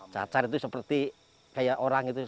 cacar itu seperti kayak orang itu